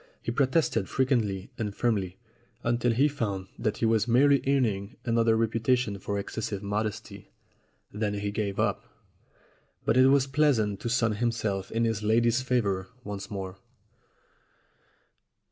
He protested frequently and firmly, until he found that he was merely earning another reputation for excessive mod esty. Then he gave up. But it was pleasant to sun himself in his lady's favor once more.